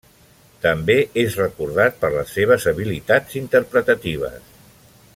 També és recordat per les seves habilitats interpretatives.